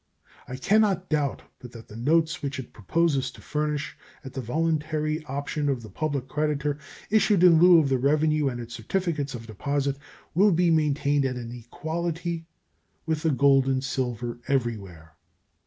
I can not doubt but that the notes which it proposes to furnish at the voluntary option of the public creditor, issued in lieu of the revenue and its certificates of deposit, will be maintained at an equality with gold and silver everywhere.